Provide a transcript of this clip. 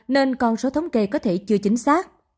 nên con số thống kê có thể chưa chính xác